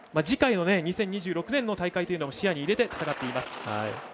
次回２０２６年の大会というのも視野に入れて戦っています。